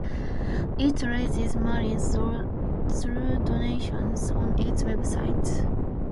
It raises money through donations on its website.